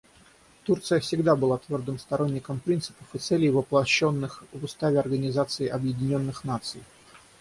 Турция всегда была твердым сторонником принципов и целей, воплощенных в Уставе Организации Объединенных Наций.